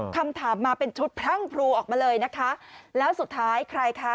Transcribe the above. คำถามมาเป็นชุดพรั่งพรูออกมาเลยนะคะแล้วสุดท้ายใครคะ